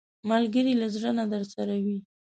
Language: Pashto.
ملګری له زړه نه درسره وي